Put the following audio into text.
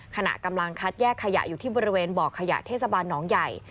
ขณะกำลังคัดแยกขยะอยู่ที่บริเวณบ่อขยะเทศบาลหนองใหญ่